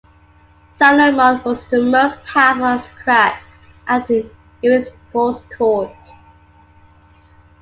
Salomon was the most powerful aristocrat at Erispoe's court.